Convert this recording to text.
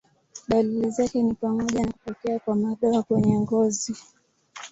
Dalili zake ni pamoja na kutokea kwa madoa kwenye ngozi.